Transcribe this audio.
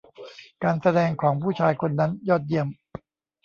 การแสดงของผู้ชายคนนั้นยอดเยี่ยม